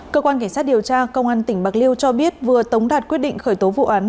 cơ quan cảnh sát điều tra công an tỉnh bạc liêu cho biết vừa tống đạt quyết định khởi tố vụ án